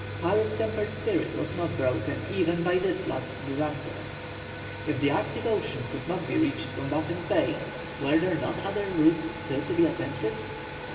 Parry's tempered spirit was not broken even by this last disaster. If the Arctic Ocean could not be reached from Baffin's Bay, were there not other routes still to be attempted?